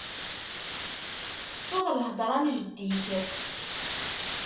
Tettuḍ lhedra n jeddi-k